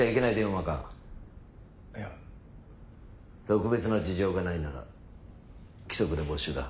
特別な事情がないなら規則で没収だ。